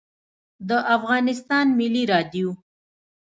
د افغانستان ملی رادیو